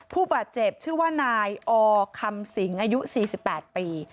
ผู้บาดเจ็บชื่อว่านายอคำสิงอายุ๔๘ปี